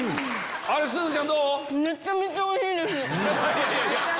すずちゃんどう？